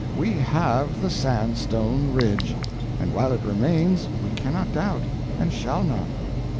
We have the sandstone ridge, and while it remains we cannot doubt, and shall not.